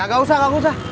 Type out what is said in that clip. eh kagak usah kagak usah